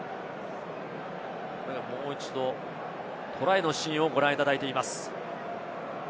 もう一度、トライのシーンをご覧いただいています。